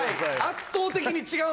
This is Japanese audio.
圧倒的に違うんで。